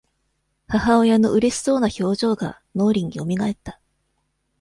母親のうれしそうな表情が、脳裏によみがえった。